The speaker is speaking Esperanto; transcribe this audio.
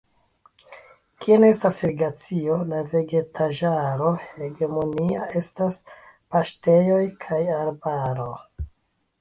Kie ne estas irigacio, la vegetaĵaro hegemonia estas paŝtejoj kaj arbaro.